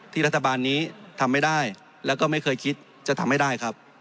ที่รัฐบาลนี้ทำไม่ได้และไม่เคยคิดจะทำไม่ได้